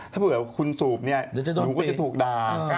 ถ้าเผื่อว่าคุณสูบเนี่ยหรือยังว่าก็จะถูกดัง